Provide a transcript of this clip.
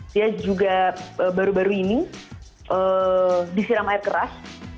dia juga baru baru ini disiram air keras